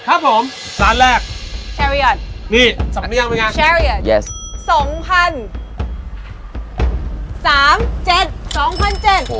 ครับผมร้านแรกนี่สำเร็จมั้ยคะสองพันสามเจ็ดสองพันเจ็ด